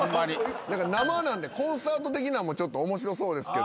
生なんでコンサート的なんもちょっと面白そうですけど。